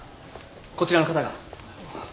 こちらの方が。